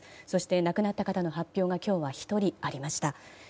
そして亡くなった方の発表が今日は１人ありました。